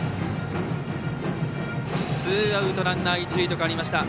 ツーアウトランナー、一塁と変わりました。